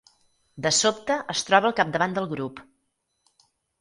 De sobte es troba al capdavant del grup.